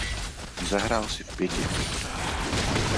Zahrál si v pěti epizodách.